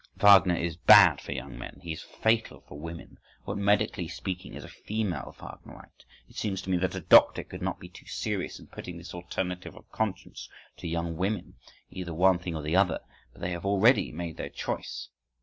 Wagner is bad for young men; he is fatal for women. What medically speaking is a female Wagnerite? It seems to me that a doctor could not be too serious in putting this alternative of conscience to young women; either one thing or the other. But they have already made their choice.